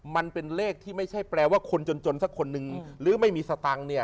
มันเป็นเลขที่ไม่ใช่แปลว่าคนจนสักคนนึงหรือไม่มีสตังค์เนี่ย